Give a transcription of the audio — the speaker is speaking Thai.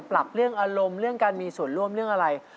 ปรับเรื่องอารมณ์เรื่องการมีส่วนร่วมเรื่องอะไร